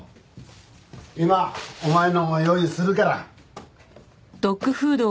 今お前のも用意するから。